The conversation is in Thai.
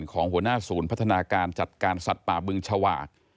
ของหัวหน้าศูนย์พัฒนาการจัดการสัตว์ป่าบึงชาวาก